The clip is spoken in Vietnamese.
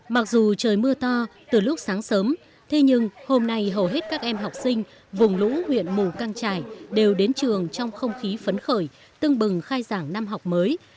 mặc dù trời mưa to từ lúc sáng sớm thế nhưng hôm nay hầu hết các em học sinh vùng lũ huyện mù căng trải đều đến trường trong không khí phấn khởi tưng bừng khai giảng năm học mới